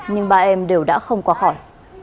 nhưng ba em đều đã không qua khỏi